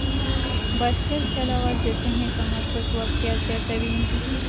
بایسکل چلول د ذهني تمرکز وړتیا زیاتوي.